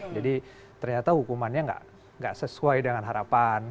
jadi ternyata hukumannya nggak sesuai dengan harapan